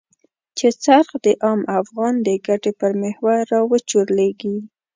چې څرخ د عام افغان د ګټې پر محور را وچورليږي.